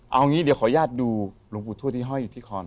เอาอย่างนี้เดี๋ยวขออนุญาตดูหลุมปู่ทั่วที่ฮ่อยอยู่ที่คลอน